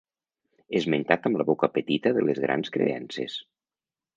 Esmentat amb la boca petita de les grans creences.